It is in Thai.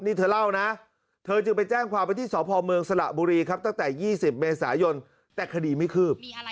นี่เธอเล่านะเธอจึงไปแจ้งความว่าที่สพเมืองสระบุรีครับตั้งแต่๒๐เมษายนแต่คดีไม่คืบ